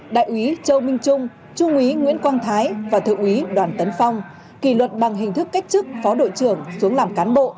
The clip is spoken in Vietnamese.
đại úy châu minh trung trung úy nguyễn quang thái và thượng úy đoàn tấn phong kỷ luật bằng hình thức cách chức phó đội trưởng xuống làm cán bộ